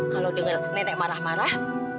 kalau dengar nenek marah marah